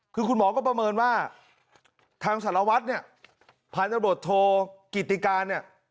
คือคุณหมอก็ประเมินว่าทางสารวัตรเนี่ยพันธบทโทกิติการเนี่ย